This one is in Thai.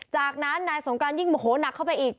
จากนั้นนายสงการยิ่งโมโหนักเข้าไปอีก